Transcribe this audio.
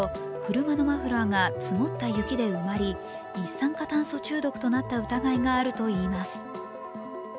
車のマフラーが積もった雪で埋まり、一酸化炭素中毒となった疑いがあるといいます。